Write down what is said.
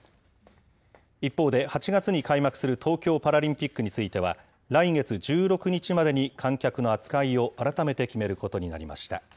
一方で、８月に開幕する東京パラリンピックについては、来月１６日までに観客を扱いを改めて決めることになりました。